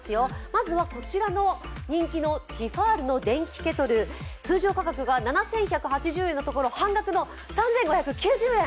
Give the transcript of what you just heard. まずはこちらの人気のティファールの電気ケトル、通常価格が７１８０円のところ、半額の３５９０円。